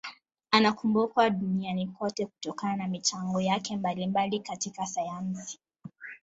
Anakumbukwa duniani kote kutokana na michango yake mbalimbali katika sayansi.